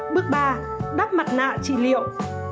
bước ba đắp mặt nạ trị liệu